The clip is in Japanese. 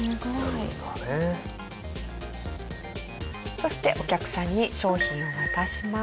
そしてお客さんに商品を渡します。